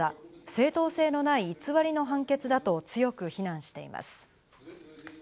正当性のない偽りの判決だと強く非難しています。